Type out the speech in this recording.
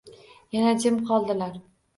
Yana jim qoladilar.